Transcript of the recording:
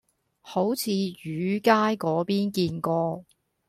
好似魚街嗰邊見過